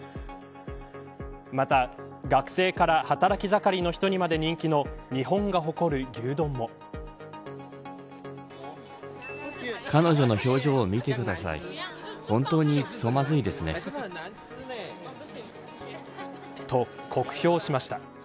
また学生から働き盛りの人にまで人気のと、酷評しました。